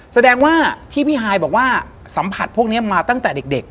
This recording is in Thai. แสดงว่าที่พี่ฮายบอกว่าสัมผัสพวกนี้มาตั้งแต่เด็ก